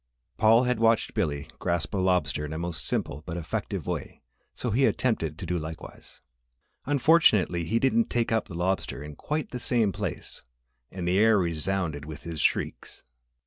Paul had watched Billy grasp a lobster in a most simple but effective way so he attempted to do likewise. Unfortunately, he didn't take up the lobster in quite the same place and the air resounded with his shrieks.